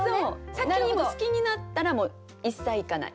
先に好きになったらもう一切いかない。